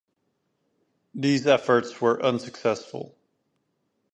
These efforts were unsuccessful.